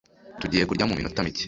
Tugiye kurya mu minota mike.